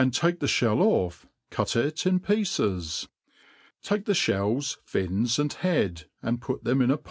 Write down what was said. take the (hell off, cut it in pieces. Take the (hells, finj:, and head, and put them in a.